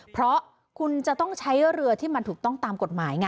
เพราะคุณจะต้องใช้เรือที่มันถูกต้องตามกฎหมายไง